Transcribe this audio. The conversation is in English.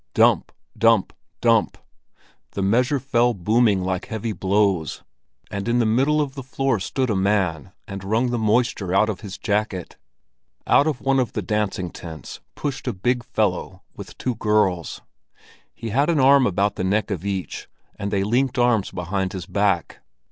Dump! Dump! Dump! The measure fell booming like heavy blows; and in the middle of the floor stood a man and wrung the moisture out of his jacket. Out of one of the dancing tents pushed a big fellow with two girls. He had an arm about the neck of each, and they linked arms behind his back.